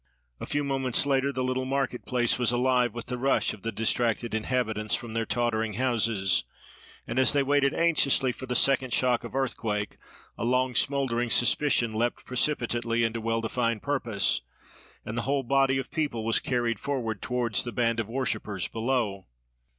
A few moments later the little marketplace was alive with the rush of the distracted inhabitants from their tottering houses; and as they waited anxiously for the second shock of earthquake, a long smouldering suspicion leapt precipitately into well defined purpose, and the whole body of people was carried forward towards the band of worshippers below.